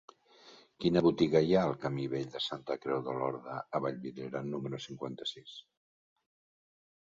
Quina botiga hi ha al camí Vell de Santa Creu d'Olorda a Vallvidrera número cinquanta-sis?